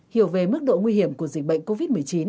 hiểu về mức độ nguy hiểm của dịch bệnh covid một mươi chín